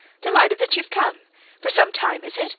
"Delighted that you've come. For some time, is it?